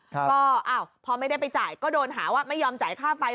ก็อ้าวพอไม่ได้ไปจ่ายก็โดนหาว่าไม่ยอมจ่ายค่าไฟ